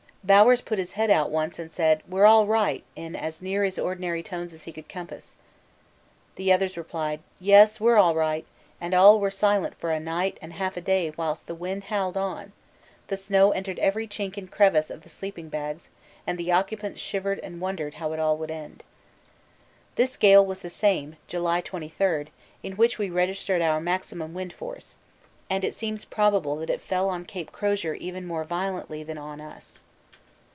Bowers put his head out once and said, 'We're all right,' in as near his ordinary tones as he could compass. The others replied 'Yes, we're all right,' and all were silent for a night and half a day whilst the wind howled on; the snow entered every chink and crevasse of the sleeping bags, and the occupants shivered and wondered how it would all end. This gale was the same (July 23) in which we registered our maximum wind force, and it seems probable that it fell on C. Crozier even more violently than on us.